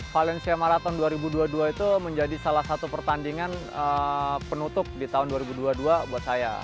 valencia marathon dua ribu dua puluh dua itu menjadi salah satu pertandingan penutup di tahun dua ribu dua puluh dua buat saya